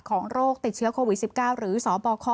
โรคติดเชื้อโควิด๑๙หรือสบค